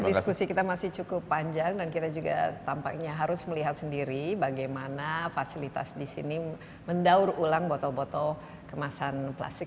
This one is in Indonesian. diskusi kita masih cukup panjang dan kita juga tampaknya harus melihat sendiri bagaimana fasilitas di sini mendaur ulang botol botol kemasan plastik